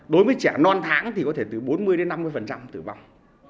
đối với trẻ non tháng thì có thể từ bốn mươi năm mươi tử vong